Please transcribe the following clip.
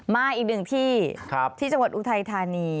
มาอีกหนึ่งที่ที่จังหวัดอุทัยธานี